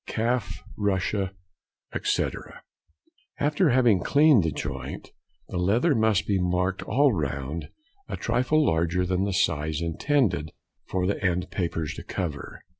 Calf, Russia, etc.—After having cleaned the joint, the leather must be marked all round a trifle larger than the size intended for the end papers to cover.